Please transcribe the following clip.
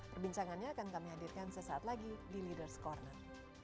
perbincangannya akan kami hadirkan sesaat lagi di leaders' corner